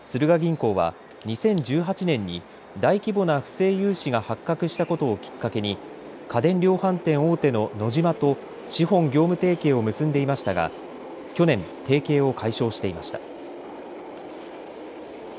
スルガ銀行は２０１８年に大規模な不正融資が発覚したことをきっかけに家電量販店大手のノジマと資本業務提携を結んでいましたが去年、提携を解消していました。